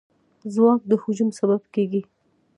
ځواک د هجوم سبب کېږي.